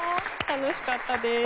楽しかったです。